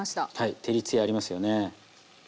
照り艶ありますよね。